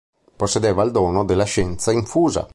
Possedeva il dono della scienza infusa.